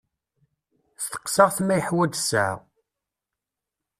Steqsiɣ-t ma yeḥwaǧ ssaεa.